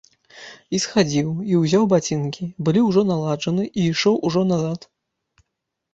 І схадзіў, і ўзяў бацінкі, былі ўжо наладжаны, і ішоў ужо назад.